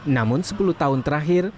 namun sepuluh tahun terakhir